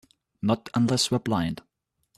Not unless we're blind.